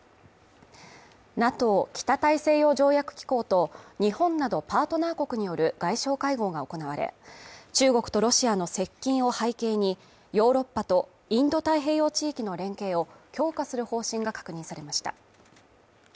ＮＡＴＯ＝北大西洋条約機構と日本などパートナー国による外相会合が行われ、中国とロシアの接近を背景に、ヨーロッパとインド太平洋地域の連携を強化する方針が確認されました。